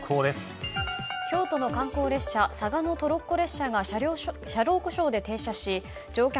京都の観光列車嵯峨野トロッコ列車が車両故障で停車し乗客